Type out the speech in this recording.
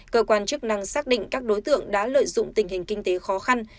cơ quan chức năng xác định các đối tượng đã lợi dụng tình hình kinh tế khó khăn